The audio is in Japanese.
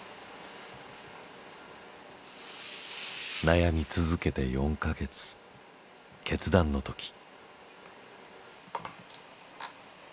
悩み続けて４カ月決断のとき。